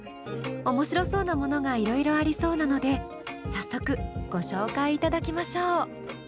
面白そうなものがいろいろありそうなので早速ご紹介いただきましょう。